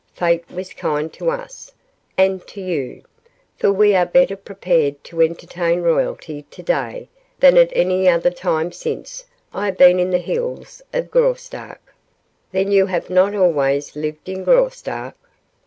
Fate was kind to us and to you, for we are better prepared to entertain royalty to day than at any time since I have been in the hills of Graustark." "Then you have not always lived in Graustark?"